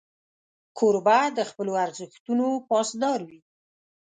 کوربه د خپلو ارزښتونو پاسدار وي.